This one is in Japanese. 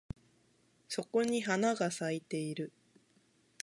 そこに花が咲いてる